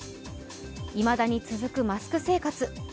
いまだに続くマスク生活。